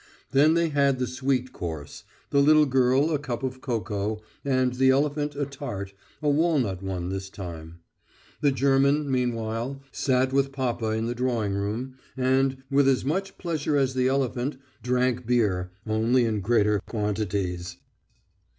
Then they had the sweet course the little girl a cup of cocoa, and the elephant a tart, a walnut one this time. The German, meanwhile, sat with papa in the drawing room, and, with as much pleasure as the elephant, drank beer, only in greater quantities.